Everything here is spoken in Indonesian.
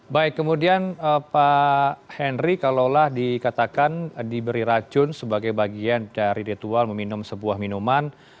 baik kemudian pak henry kalaulah dikatakan diberi racun sebagai bagian dari ritual meminum sebuah minuman